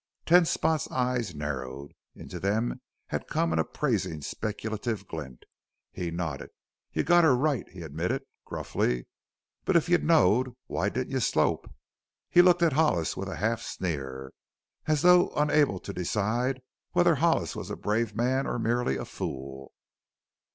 Ten Spot's eyes narrowed into them had come an appraising, speculative glint. He nodded. "You've got her right," he admitted gruffly. "But if you knowed why didn't you slope?" He looked at Hollis with a half sneer, as though unable to decide whether Hollis was a brave man or merely a fool.